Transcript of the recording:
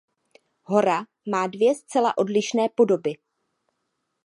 Hora má dvě zcela odlišné podoby.